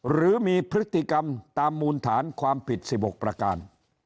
หรือมีพฤติกรรมตามมูลฐานความผิด๑๖ประการ